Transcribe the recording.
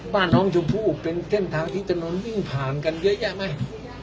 บ้านน้องชมพู่เป็นเส้นทางที่ถนนวิ่งผ่านกันเยอะแยะไหม